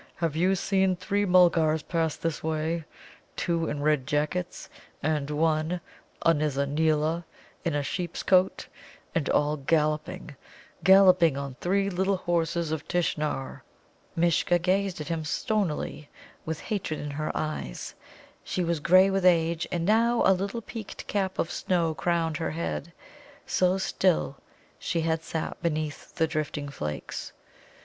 "Have you seen three Mulgars pass this way, two in red jackets, and one, a Nizza neela, in a sheep's coat, and all galloping, galloping, on three Little Horses of Tishnar?" Mishcha gazed at him stonily, with hatred in her eyes. She was grey with age, and now a little peaked cap of snow crowned her head, so still she had sat beneath the drifting flakes.